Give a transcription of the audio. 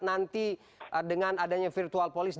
nanti dengan adanya virtual police